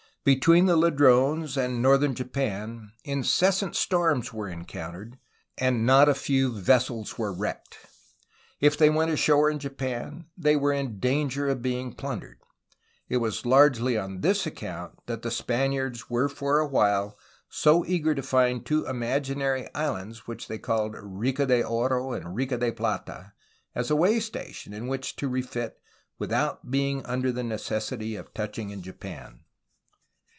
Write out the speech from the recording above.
Between the Ladrones and northern Japan incessant storms were encountered, and not a few vessels were wrecked. If they went ashore in Japan they were in danger of being plundered. It . was largely on this account that the Spaniards were for a while so eager to find two imaginary islands which they called ^'Rica de Oro" and "Rica de Plata,'' as a way station in which to refit without being under the necessity of touching in Japan.